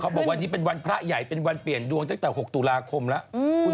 บอกวันนี้เป็นวันพระใหญ่เป็นวันเปลี่ยนดวงตั้งแต่๖ตุลาคมแล้ว